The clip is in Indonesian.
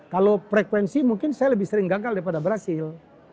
kalau frekuensi mungkin saya lebih sering gagal daripada berhasil